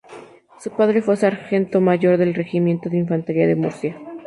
Su padre fue Sargento Mayor del Regimiento de Infantería de Murcia.